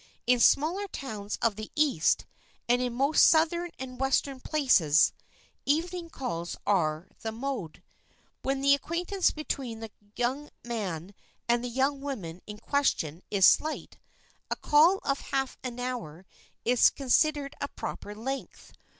In smaller towns of the East and in most southern and western places, evening calls are the mode. When the acquaintance between the young man and the young woman in question is slight, a call of half an hour is considered a proper length.